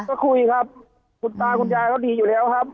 ก็คุยครับคุณตาคุณยายเขาดีอยู่แล้วครับ